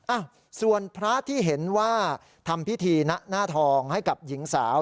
อ่ะส่วนพระที่เห็นว่าทำพิธีนะหน้าทองให้กับหญิงสาว